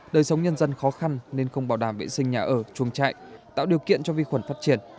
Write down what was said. đời sống nhân dân khó khăn nên không bảo đảm vệ sinh nhà ở chuồng trại tạo điều kiện cho vi khuẩn phát triển